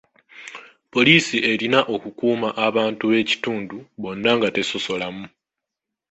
Poliisi erina okukuuma abantu b'ekitundu bonna nga tesosolamu.